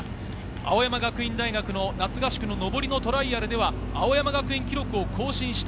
青山学院大学の夏合宿の上りのトライアルで、青山学院記録を更新した。